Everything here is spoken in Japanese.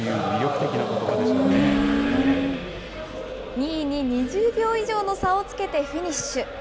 ２位に２０秒以上の差をつけてフィニッシュ。